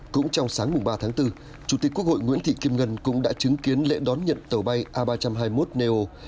cũng trong sáng ba tháng bốn chủ tịch quốc hội nguyễn thị kim ngân cũng đã chứng kiến lễ đón nhận tàu bay a ba trăm hai mươi một neo